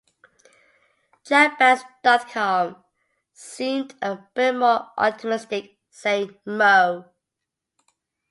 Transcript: Jambands dot com seemed a bit more optimistic, saying moe.